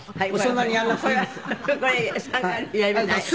はい。